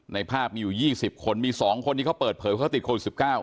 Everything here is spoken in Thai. ในภาพมีอยู่๒๐คนมี๒คนที่เขาเปิดเผยว่าเขาติดโควิด๑๙